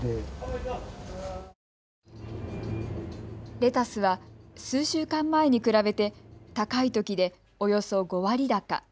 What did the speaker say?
レタスは数週間前に比べて高いときでおよそ５割高。